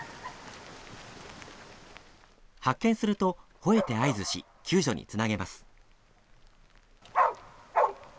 発見すると、ほえて合図し救助につなげます。